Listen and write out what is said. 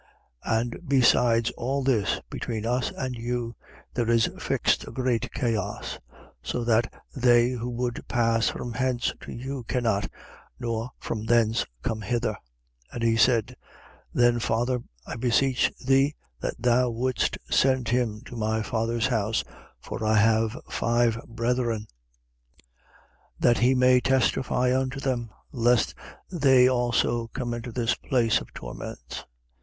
16:26. And besides all this, between us and you, there is fixed a great chaos: so that they who would pass from hence to you cannot, nor from thence come hither. 16:27. And he said: Then, father, I beseech thee that thou wouldst send him to my father's house, for I have five brethren, 16:28. That he may testify unto them, lest they also come into this place of torments.